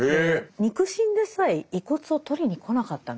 肉親でさえ遺骨を取りに来なかったんですよ。